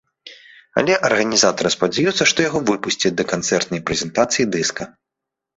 Але арганізатары спадзяюцца, што яго выпусцяць да канцэртнай прэзентацыі дыска.